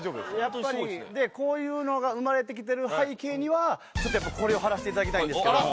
やっぱりこういうのが生まれてきてる背景にはちょっとやっぱこれを貼らせていただきたいんですけども。